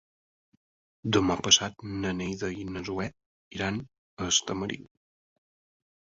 Demà passat na Neida i na Zoè iran a Estamariu.